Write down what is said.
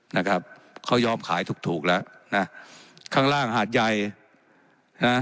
นะครับเขายอมขายถูกถูกแล้วนะข้างล่างหาดใหญ่นะฮะ